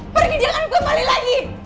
pergi jangan kembali lagi